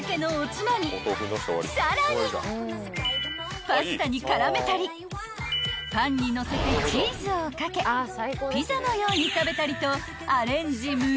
さらにパスタに絡めたりパンにのせてチーズを掛けピザのように食べたりと］